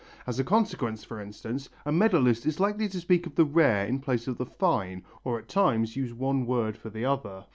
As a consequence, for instance, a medallist is likely to speak of the rare in place of the fine, or at times use one word for the other.